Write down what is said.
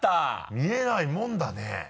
見えないもんだね。